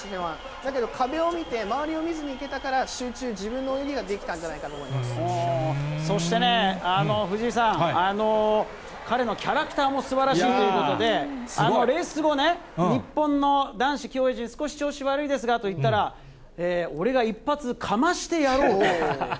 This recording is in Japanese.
だけど壁を見て、周りを見ずに行けたから、集中、自分の泳ぎができたんじゃないかそしてね、藤井さん、彼のキャラクターもすばらしいということで、レース後、日本の男子競泳陣、少し調子悪いですがと言ったら、俺が一発かましてやろうと。